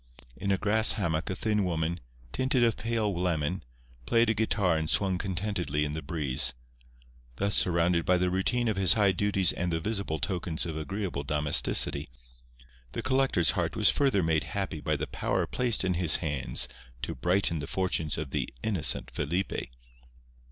In a grass hammock a thin woman, tinted a pale lemon, played a guitar and swung contentedly in the breeze. Thus surrounded by the routine of his high duties and the visible tokens of agreeable domesticity, the collector's heart was further made happy by the power placed in his hands to brighten the fortunes of the "innocent" Felipe.